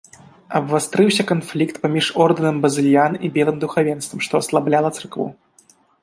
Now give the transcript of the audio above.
Абвастрыўся канфлікт паміж ордэнам базыльян і белым духавенствам, што аслабляла царкву.